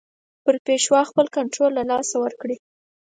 پر پېشوا خپل کنټرول له لاسه ورکړي.